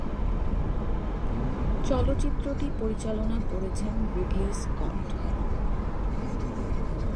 চলচ্চিত্রটি পরিচালনা করেছেন রিডলি স্কট।